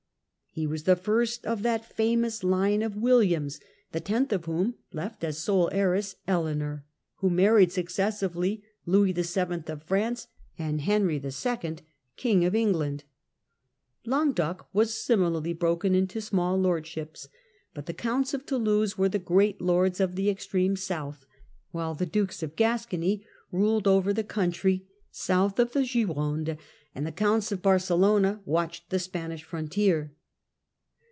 He was, the first of that famous line of Williams, the tenth of whom left as sole heiress Eleanor, who married succes sively Louis VII., King of France, and Henry II., King of Langue England. Languedoc was similarly broken into small cony, and lordships, but the Counts of Toulouse were the great lords Provence ^f ^^ extreme south, while the Dukes of Gascony ruled over the country south of the Gironde, and the Counts of Barcelona watched the Spanish frontier.